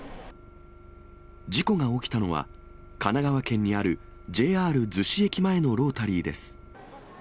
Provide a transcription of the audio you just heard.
事故が起きたのは、神奈川県にある、ＪＲ逗子駅前のロータリーです。